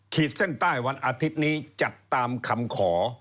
ขีดเส้นใต้วันอาทิตย์นี้จัดตามคำขอ